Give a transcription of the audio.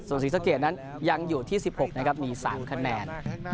ส่วนศิษย์เกณฑ์นั้นยังอยู่ที่สิบหกนะครับมีสามคะแนน